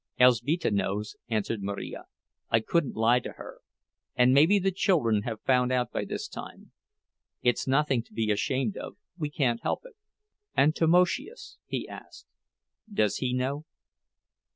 "Elzbieta knows," answered Marija. "I couldn't lie to her. And maybe the children have found out by this time. It's nothing to be ashamed of—we can't help it." "And Tamoszius?" he asked. "Does he know?"